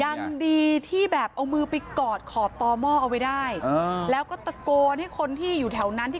ยังดีที่แบบเอามือไปกอดขอบตอม่อเอาไว้ได้